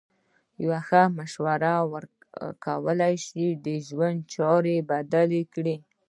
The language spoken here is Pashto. یوه ښه مشوره کولای شي د چا ژوند بدل کړي.